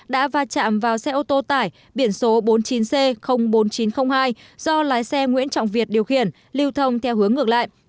đã va chạm vào xe ô tô tải biển số bốn mươi chín c bốn nghìn chín trăm linh hai do lái xe nguyễn trọng việt điều khiển lưu thông theo hướng ngược lại